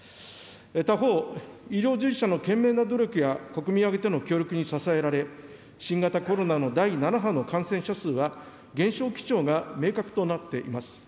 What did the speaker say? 他方、医療従事者の懸命な努力や、国民挙げての協力に支えられ、新型コロナの第７波の感染者数は、減少基調が明確となっています。